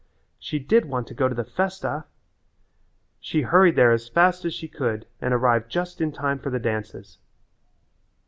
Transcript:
She did want to go to the festa! She hurried there as fast as she could and arrived just in time for the dances.